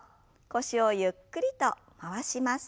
腰をゆっくりと回します。